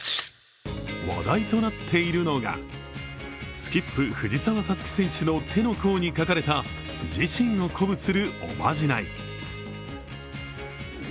話題となっているのが、スキップ・藤澤五月選手の手の甲に書かれた自身を鼓舞するおまじない。